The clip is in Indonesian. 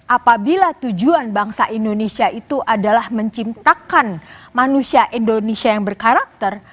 apabila tujuan bangsa indonesia itu adalah menciptakan manusia indonesia yang berkarakter